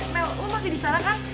mel lo masih disana kan